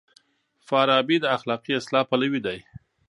فارابي د اخلاقي اصلاح پلوی دی.